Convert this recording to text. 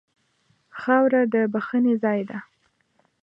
خاوره د بښنې ځای ده.